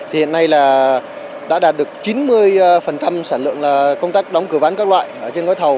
hiện nay là đã đạt được chín mươi sản lượng công tác đóng cửa ván các loại trên gói thầu